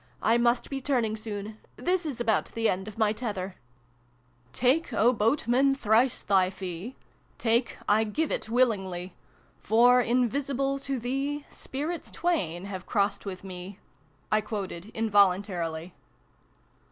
I must be turning soon. This is about the end of my tether." 48 SYLVIE AND BRUNO CONCLUDED. " Take, O boatman, thrice thy fee ; Take, I give it willingly ; For, invisible to thee, Spirits twain Jiave crossed ivitJi me !" I quoted, involuntarily.